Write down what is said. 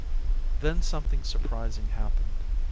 Then something surprising happened.